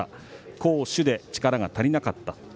攻守で力が足りなかった。